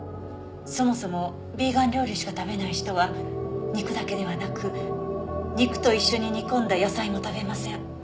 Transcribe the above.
そもそもビーガン料理しか食べない人は肉だけではなく肉と一緒に煮込んだ野菜も食べません。